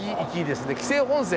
紀勢本線